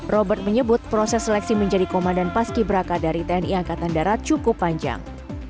robert menyebut proses seleksi menjadi komandan paski beraka dari tni angkatan darat cukup panjang